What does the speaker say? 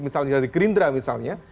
misalnya dari gerindra misalnya